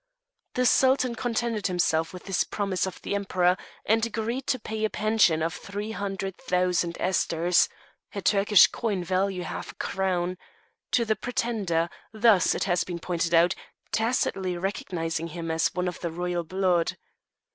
The Sultan contented himself with this promise of the Emperor, and agreed to pay a pension of three hundred thousand astres* to the pretender; thus, it has been pointed out, tacitly recognizing him as of the royal blood.